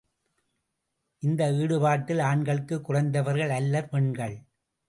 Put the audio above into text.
இந்த ஈடுபாட்டில் ஆண்களுக்கு குறைந்தவர்கள் அல்லர் பெண்கள்.